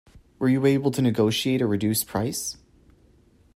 Were you able to negotiate a reduced price?